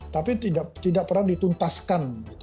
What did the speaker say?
tapi tidak pernah dituntaskan